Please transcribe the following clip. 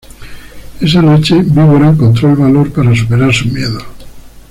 Esa noche, Víbora encontró el valor para superar sus miedos.